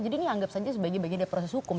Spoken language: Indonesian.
ini anggap saja sebagai bagian dari proses hukum